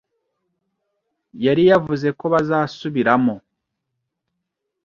yari yavuze ko bazasubiramo